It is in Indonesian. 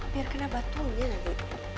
biar kena batunya nanti